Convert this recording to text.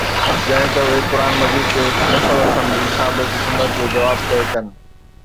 ڄڻ ته اهي قرآن مجيد کي هڪ تصور سمجهي، ثابت سنت جو جواب طئي ڪن.